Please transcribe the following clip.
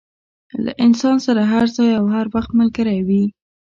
له انسان سره هر ځای او هر وخت ملګری وي.